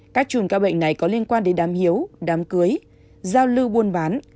các chùm ca bệnh này có liên quan đến đám hiếu đám cưới giao lưu buôn bán